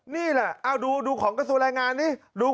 นี่แหละดูของกระสูรแรงงานนี้